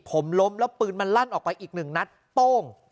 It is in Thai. ผมล้มแล้วปืนมันลั่นออกไปอีกหนึ่งนัดโป้ง